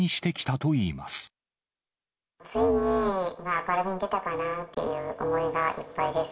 ついに明るみに出たかなという思いがいっぱいです。